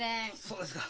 そうですか。